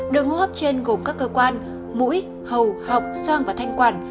đường hô hấp trên gồm các cơ quan mũi hầu học soang và thanh quản